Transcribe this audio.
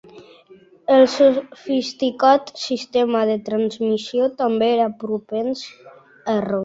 El sofisticat sistema de transmissió també era propens a errors.